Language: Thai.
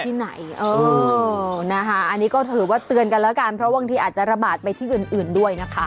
มาจากที่ไหนอันนี้ก็ถือกันว่าเตือนกันแล้วกันเพราะว่าบางทีอาจจะระบาดไปที่อื่นด้วยนะคะ